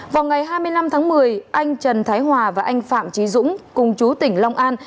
vào ngày hai mươi năm tháng một mươi anh trần thái hòa và anh phạm trí dũng cùng chú tỉnh long an